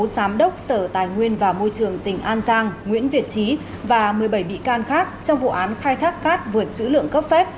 giám đốc sở tài nguyên và môi trường tỉnh an giang nguyễn việt trí và một mươi bảy bị can khác trong vụ án khai thác cát vượt chữ lượng cấp phép